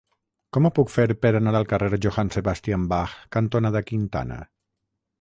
Com ho puc fer per anar al carrer Johann Sebastian Bach cantonada Quintana?